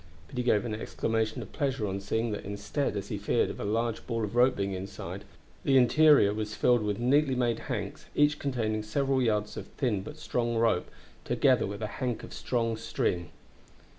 But he gave an exclamation of pleasure on seeing that instead, as he feared, of a large ball of rope being inside, the interior was filled with neatly made hanks, each containing several yards of thin but strong rope, together with a hank of strong string.